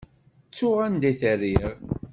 Ttuɣ anda i t-rriɣ.